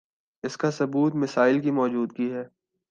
اسکا ثبوت مسائل کی موجودگی ہے